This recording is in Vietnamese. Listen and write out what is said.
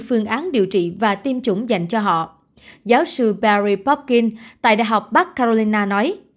phương án điều trị và tiêm chủng dành cho họ giáo sư paris popin tại đại học bắc carolina nói